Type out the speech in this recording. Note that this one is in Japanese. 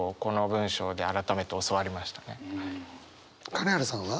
金原さんは？